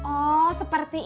oh seperti itu